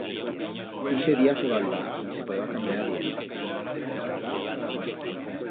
Ixe día feba luna y se podeba caminar bien.